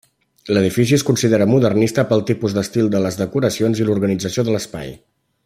L'edifici es considera modernista pel tipus d'estil de les decoracions i l'organització de l'espai.